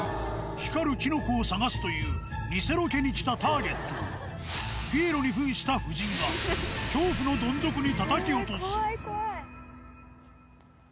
光るキノコを探すという偽ロケに来たターゲットを、ピエロにふんした夫人が、恐怖のどん底にたたき落とす。